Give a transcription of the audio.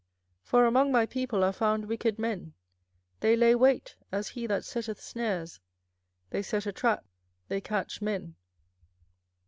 24:005:026 For among my people are found wicked men: they lay wait, as he that setteth snares; they set a trap, they catch men.